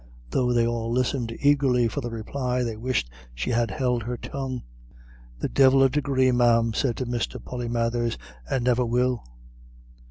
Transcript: though they all listened eagerly for the reply, they wished she had held her tongue. "The divil a Degree, ma'am," said Mr. Polymathers, "and niver will."